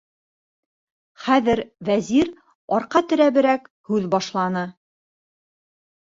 Хәҙер Вәзир арҡа терәберәк һүҙ башланы: